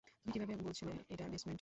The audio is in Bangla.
তুমি কিভাবে বুঝলে এটা বেসমেন্ট?